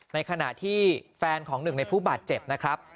ในขณะที่แฟนของหนึ่งในผู้บาดเจ็บนะครับ